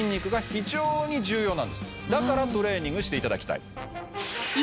だからトレーニングしていただきたい。